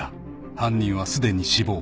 ［犯人はすでに死亡］